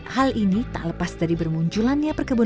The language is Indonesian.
hal ini tak lepas dari bermunculan